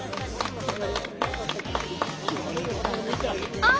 あっ！